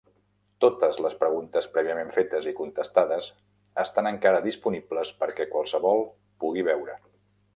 Totes les preguntes prèviament fetes i contestades estan encara disponibles perquè qualsevol pugui veure.